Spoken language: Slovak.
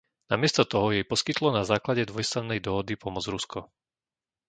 Namiesto toho jej poskytlo na základne dvojstrannej dohody pomoc Rusko.